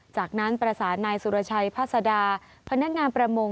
จากนั้นประสานนายสุรชัยพัศดาพนักงานประมง